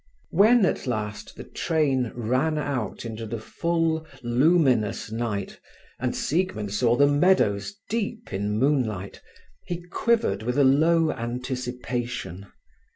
When at last the train ran out into the full, luminous night, and Siegmund saw the meadows deep in moonlight, he quivered with a low anticipation.